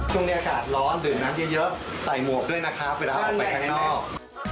ช่วงนี้อากาศร้อนดื่มน้ำเยอะใส่หมวกด้วยนะครับเวลาออกไปข้างนอก